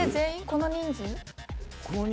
この人数？